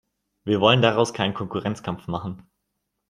Wir wollen daraus keinen Konkurrenzkampf machen.